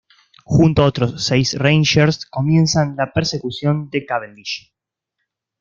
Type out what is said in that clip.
Junto a otros seis Rangers comienzan la persecución de Cavendish.